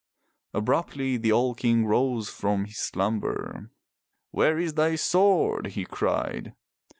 Abruptly the old King rose from his slumber. Where is thy sword?" he cried.